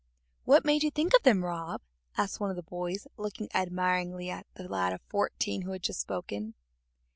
"What made you think of them, Rob?" asked one of the boys, looking admiringly at the lad of fourteen who had just spoken.